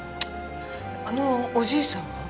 あのおじいさんは？